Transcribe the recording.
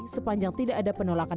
sepanjang tidak ada perubahan